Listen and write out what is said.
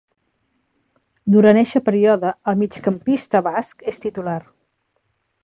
Durant eixe període, el migcampista basc és titular.